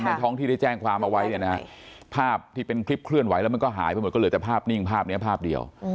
ท้องที่ได้แจ้งความเอาไว้เนี่ยนะฮะภาพที่เป็นคลิปเคลื่อนไหวแล้วมันก็หายไปหมดก็เลยแต่ภาพนิ่งภาพนี้ภาพเดียว